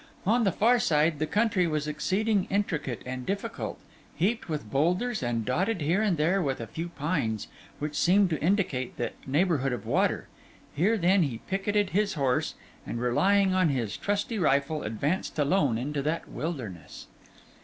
On the far side the country was exceeding intricate and difficult, heaped with boulders, and dotted here and there with a few pines, which seemed to indicate the neighbourhood of water. Here, then, he picketed his horse, and relying on his trusty rifle, advanced alone into that wilderness.